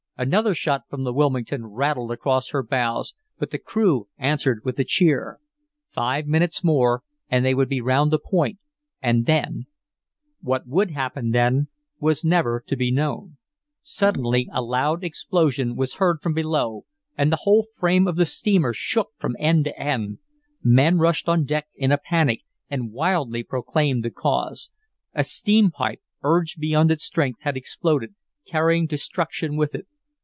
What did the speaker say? Another shot from the Wilmington rattled across her bows, but the crew answered with a cheer. Five minutes more and they would be round the point and then What would happen then was never to be known. Suddenly a loud explosion was heard from below, and the whole frame of the steamer shook from end to end. Men rushed on deck in a panic, and wildly proclaimed the cause. A steam pipe, urged beyond its strength, had exploded, carrying destruction with it.